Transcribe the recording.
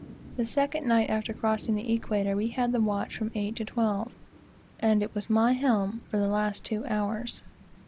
The second night after crossing the equator, we had the watch from eight till twelve, and it was "my helm" for the last two hours.